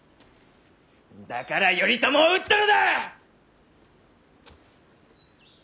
だから頼朝を討ったのだ！